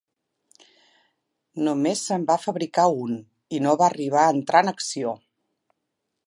Només se'n va fabricar un i no va arribar a entrar en acció.